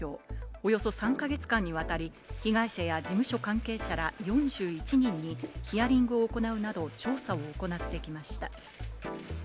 およそ３か月間にわたり、被害者や事務所関係者ら４１人にヒアリングを行うなど調査を行ってきました。